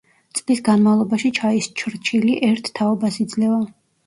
წლის განმავლობაში ჩაის ჩრჩილი ერთ თაობას იძლევა.